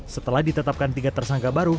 setelah ditetapkan tiga tersangka baru